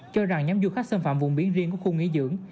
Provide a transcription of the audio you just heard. cho rằng nhóm du khách xâm phạm vùng biển riêng của khu nghỉ dưỡng